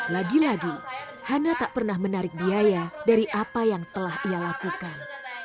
lagi lagi hana tak pernah menarik biaya dari apa yang telah ia lakukan